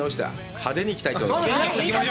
派手に行きたいと思います。